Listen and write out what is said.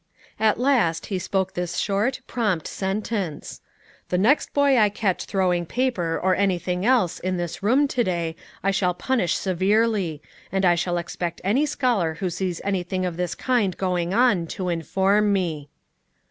At last he spoke this short, prompt sentence: "The next boy I catch throwing paper, or anything else, in this room to day, I shall punish severely; and I shall expect any scholar who sees anything of this kind going on to inform me."